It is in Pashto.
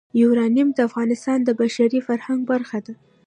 یورانیم د افغانستان د بشري فرهنګ برخه ده.